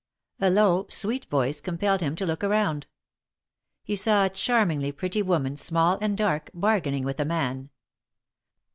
A low, sweet voice compelled him to look around. He saw a charmingly pretty woman, small and dark, bargaining with a man.